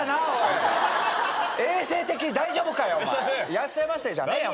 いらっしゃいませじゃねえよ。